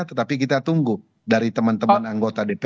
tetapi kita tunggu dari teman teman anggota dpr